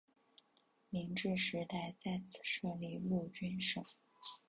明治时代在此设立陆军省。